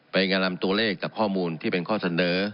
งานลำตัวเลขกับข้อมูลที่เป็นข้อเสนอ